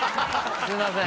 すいません。